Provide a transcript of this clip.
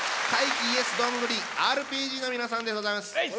ＹｅｓどんぐりＲＰＧの皆さんでございます。